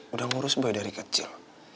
udah ngurus mbak dari kecil